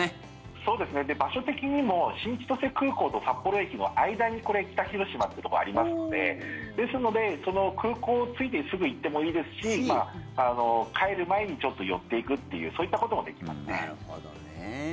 で、場所的にも新千歳空港と札幌駅の間に北広島ってところがありますのでですので、空港着いてすぐ行ってもいいですし帰る前にちょっと寄っていくっていうなるほどね。